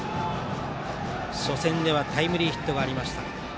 初戦ではタイムリーヒットがありました。